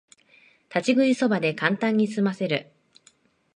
立ち食いそばでカンタンにすませる